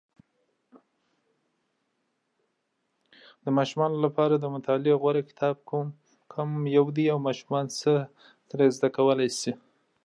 د‌کتاب لوستل لويي ګټې لري هم ذهن قوي کوي او هم علم زياتيږي ورسره